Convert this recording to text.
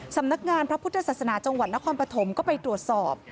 สำนักงานพระพุทธศาสนาจังหวัดนครปฐมก็ไปตรวจสอบ